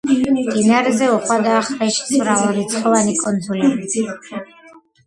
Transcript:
მდინარეზე უხვადაა ხრეშის მრავალრიცხოვანი კუნძულები.